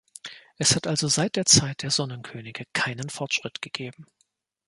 Es hat also seit der Zeit der Sonnenkönige keinen Fortschritt gegeben.